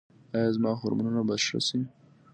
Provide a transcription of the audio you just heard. ایا زما هورمونونه به ښه شي؟